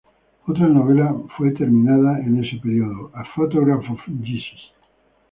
Otra novela fue terminada en ese período "A Photograph of Jesus".